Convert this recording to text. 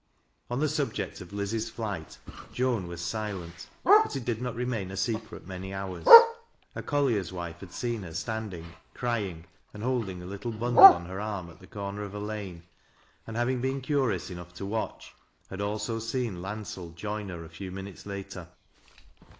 On the sabject of Liz's flight Jc an was silent, but it did not remain a secret many hours. A collier's wife had seen her standing, ci ying, and holding a little bundle on hei arm at the corner of a lane, and having been curious enough to watch, had also seen Landsell join her a few minutes later.